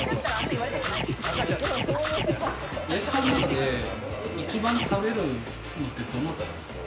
お弟子さんの中で一番食べるのは、どなたですか？